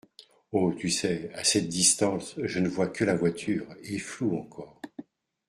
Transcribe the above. Oh, tu sais, à cette distance je ne vois que la voiture, et floue, encore.